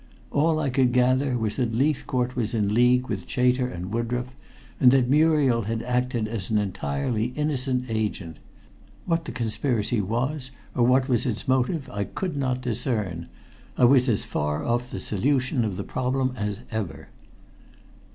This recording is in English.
All I could gather was that Leithcourt was in league with Chater and Woodroffe, and that Muriel had acted as an entirely innocent agent. What the conspiracy was, or what was its motive, I could not discern. I was as far off the solution of the problem as ever.